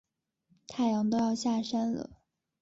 太阳都要下山了